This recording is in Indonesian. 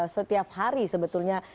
setiap hari sebetulnya